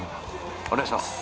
お願いします。